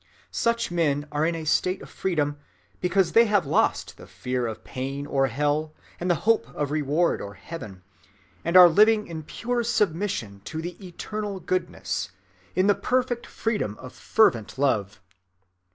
Such men are in a state of freedom, because they have lost the fear of pain or hell, and the hope of reward or heaven, and are living in pure submission to the eternal Goodness, in the perfect freedom of fervent love.